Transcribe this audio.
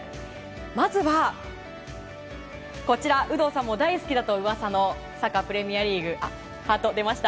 まずは有働さんも大好きだと噂のサッカー、プレミアリーグハード出ました。